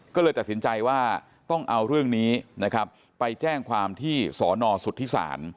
ก็เลยตัดสินใจว่าต้องเอาเรื่องนี้นะครับไปแจ้งความที่สอนอสุทธิศาล